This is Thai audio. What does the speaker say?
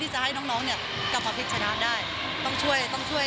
จะให้น้องน้องเนี่ยกลับมาพลิกชนะได้ต้องช่วยต้องช่วย